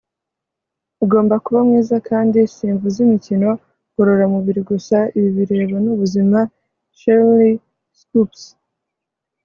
ugomba kuba mwiza, kandi simvuze imikino ngororamubiri gusa, ibi bireba n'ubuzima. - sheryl swoopes